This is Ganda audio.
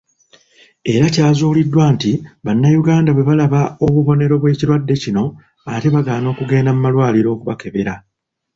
Era kyazuuliddwa nti Bannayuganda bwe balaba obubonero bw'ekirwadde kino ate bagaana okugenda malwaliro okubakebera.